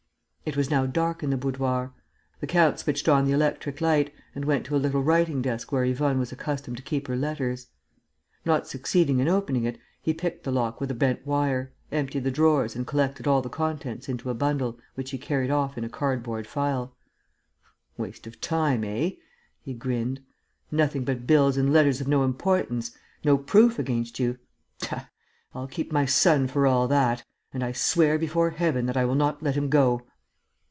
It was now dark in the boudoir. The count switched on the electric light and went to a little writing desk where Yvonne was accustomed to keep her letters. Not succeeding in opening it, he picked the lock with a bent wire, emptied the drawers and collected all the contents into a bundle, which he carried off in a cardboard file: "Waste of time, eh?" he grinned. "Nothing but bills and letters of no importance.... No proof against you.... Tah! I'll keep my son for all that; and I swear before Heaven that I will not let him go!"